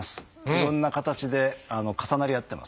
いろんな形で重なり合ってます。